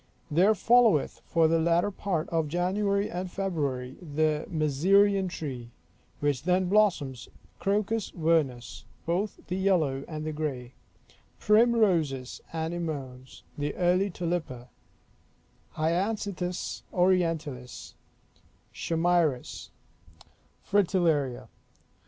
There followeth, for the latter part of January and February, the mezereon tree, which then blossoms; crocus vernus, both the yellow and the grey; primroses, anemones; the early tulippa; hyacinthus orientalis; chamairis; fritellaria.